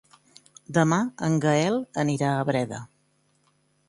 Demà en Gaël anirà a Breda.